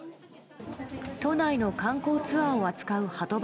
都内の観光ツアーを扱うはと